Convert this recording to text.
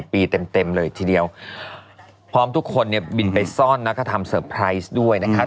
พอที่ทุกคนเนี่ยบิลไปซ่อนแล้วก็ทำสเติร์พรายซ์ด้วยนะครับ